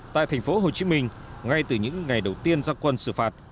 tại thành phố hồ chí minh ngay từ những ngày đầu tiên ra quân xử phạt